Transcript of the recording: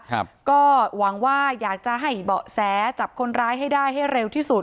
ครับก็หวังว่าอยากจะให้เบาะแสจับคนร้ายให้ได้ให้เร็วที่สุด